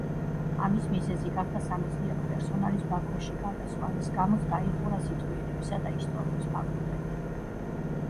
ამის მიზეზი გახდა სამეცნიერო პერსონალის ბაქოში გადასვლა, რის გამოც დაიხურა სიტყვიერებისა და ისტორიის ფაკულტეტი.